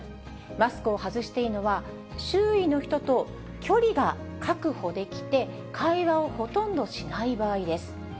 マスクを外していいのは、周囲の人と距離が確保できて、会話をほとんどしない場合です。